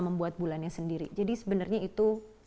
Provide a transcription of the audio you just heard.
membuat bulannya sendiri jadi sebenarnya itu